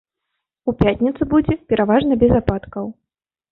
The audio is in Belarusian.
У пятніцу будзе пераважна без ападкаў.